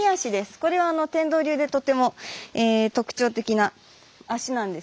これは天道流でとても特徴的な足なんですが。